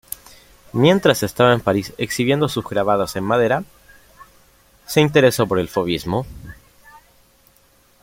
Mientras estaba en París exhibiendo sus grabados en madera, se interesó por el fovismo.